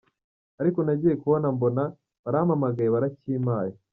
Ariko nagiye kubona mbona barampamagaye barakimpaye.